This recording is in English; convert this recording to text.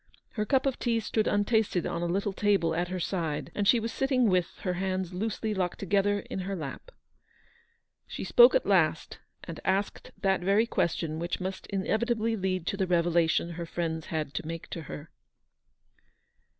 Her cup of tea stood untasted on a little table at her side, and VOL. I. SI 162 ELEANOR'S VICTORY. she was sitting with her hands loosely locked together in her lap. She spoke at last, and asked that very question which must inevitably lead to the revelation her friends had to make to her.